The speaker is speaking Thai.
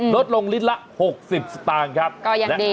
ลดลงลิตรละ๖๐สตาร์ครับก็ยังดี